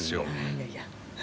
いやいや。